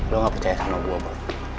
lu ga percaya sama gua bu